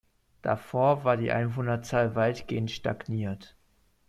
Davor war die Einwohnerzahl weitgehend stagniert.